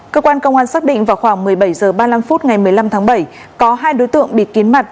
cơ quan công an xác định vào khoảng một mươi bảy h ba mươi năm phút ngày một mươi năm tháng bảy có hai đối tượng bị kiến mặt